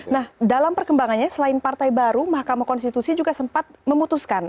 nah dalam perkembangannya selain partai baru mahkamah konstitusi juga sempat memutuskan